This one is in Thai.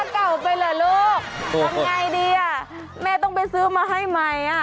ทำอย่างไรดีแม่ต้องไปซื้อมาให้ใหม่